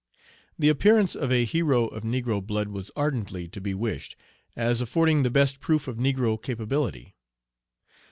The appearance of a hero of negro blood was ardently to be wished, as affording the best proof of negro capability.